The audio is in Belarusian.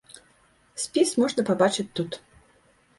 Спіс можна пабачыць тут.